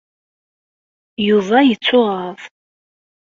Yuba yettuɣaḍ.